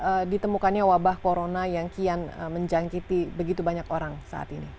dengan ditemukannya wabah corona yang kian menjangkiti begitu banyak orang saat ini